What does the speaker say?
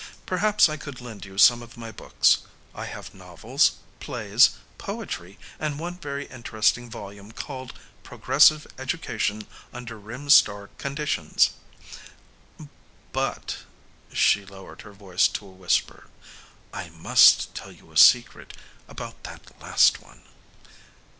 "Perhaps I could lend you some of my books. I have novels, plays, poetry, and one very interesting volume called Progressive Education under Rim Star Conditions. But," she lowered her voice to a whisper, "I must tell you a secret about that last one."